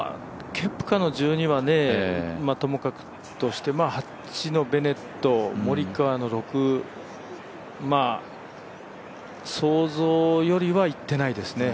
ケプカの１２はともかくとして、８のベネット、モリカワの６、想像よりはいってないですね。